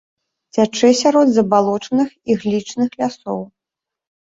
Цячэ сярод забалочаных іглічных лясоў.